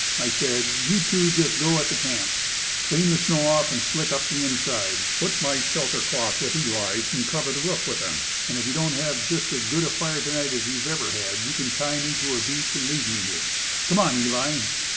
I said: "You two just go at the camp; clean the snow off and slick up the inside. Put my shelter cloth with Eli's, and cover the roof with them; and if you don't have just 48 Woodcraft. as good a fire to night as you ever had, you can tie me to a beech and leave me there. Come on, Eli."